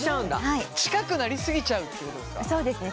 近くなりすぎちゃうってことですか？